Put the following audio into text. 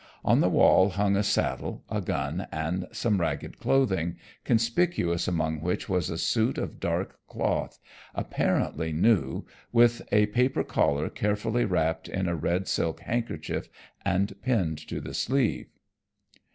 On the wall hung a saddle, a gun, and some ragged clothing, conspicuous among which was a suit of dark cloth, apparently new, with a paper collar carefully wrapped in a red silk handkerchief and pinned to the sleeve.